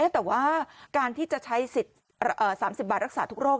แต่ว่าการที่จะใช้สิทธิ์๓๐บาทรักษาทุกโรค